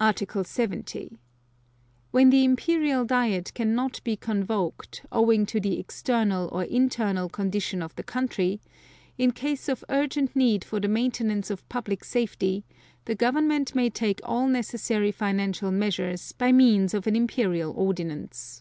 Article 70. When the Imperial Diet cannot be convoked, owing to the external or internal condition of the country, in case of urgent need for the maintenance of public safety, the Government may take all necessary financial measures, by means of an Imperial Ordinance.